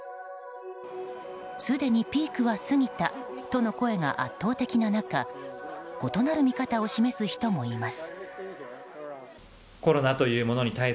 すでにピークは過ぎたとの声が圧倒的な中異なる見方を示す人もいます。